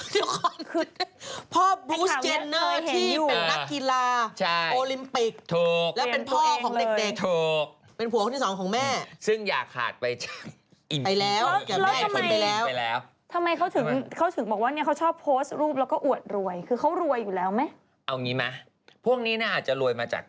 แต่ว่านี่ฉันไม่แน่ใจว่า